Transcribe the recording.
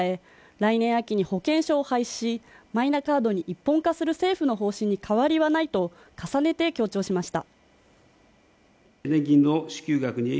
来年秋に保険証を廃止しマイナカードに一本化する政府の方針に変わりはないと重ねて強調しました。